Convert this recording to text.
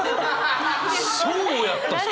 そうやったんすか！？